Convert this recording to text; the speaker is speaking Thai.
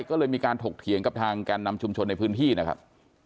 ก็เลยมีการถกเถียงกับทางแก่นำชุมชนในพื้นที่นะครับ